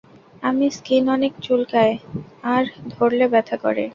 আমি স্কিন অনেক চুলকায় আর ধরলে ব্যথা করে।